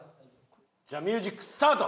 じゃあミュージックスタート！